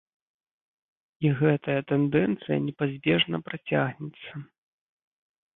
І гэтая тэндэнцыя непазбежна працягнецца.